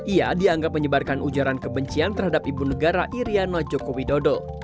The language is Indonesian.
ia dianggap menyebarkan ujaran kebencian terhadap ibu negara iryana joko widodo